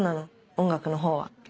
音楽のほうは。